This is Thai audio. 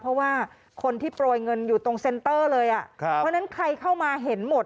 เพราะว่าคนที่โปรยเงินอยู่ตรงเซ็นเตอร์เลยอ่ะครับเพราะฉะนั้นใครเข้ามาเห็นหมด